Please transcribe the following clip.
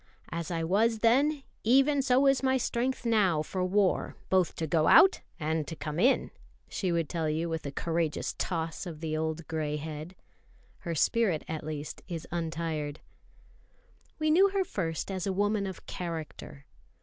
"As I was then, even so is my strength now for war, both to go out and to come in," she would tell you with a courageous toss of the old grey head. Her spirit at least is untired. We knew her first as a woman of character.